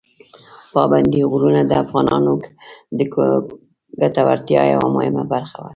پابندي غرونه د افغانانو د ګټورتیا یوه مهمه برخه ده.